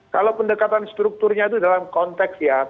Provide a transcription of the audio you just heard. kalau pendekatan strukturnya itu dalam konteks ya